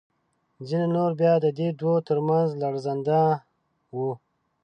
ځینې نور بیا د دې دوو تر منځ لړزانده وو.